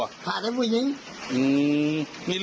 หากันกูยิ้ง